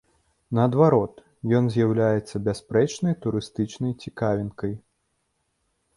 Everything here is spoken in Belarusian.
Наадварот, ён з'яўляецца бясспрэчнай турыстычнай цікавінкай.